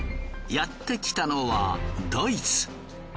やってきたのはドイツ。